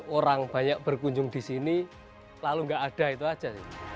orang banyak berkunjung di sini lalu nggak ada itu aja